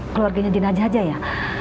kemudian dina aja ya